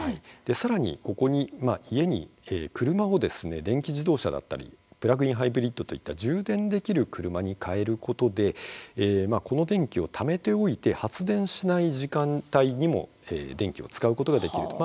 さらに、ここに家に車を電気自動車だったりプラグインハイブリッドといった充電できる車に替えることでこの電気をためておいて発電しない時間帯にも電気を使うことができると。